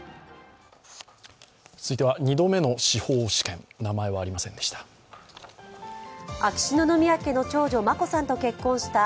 続いては、２度目の司法試験、名前はありませんでした。